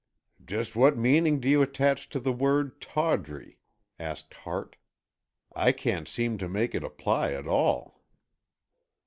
"Just what meaning do you attach to the word 'tawdry'?" asked Hart. "I can't seem to make it apply at all."